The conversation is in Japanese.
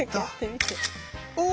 お！